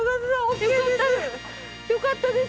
よかったです。